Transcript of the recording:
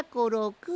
くん